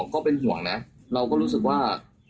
ก็เป็นห่วงนะเราก็รู้สึกว่า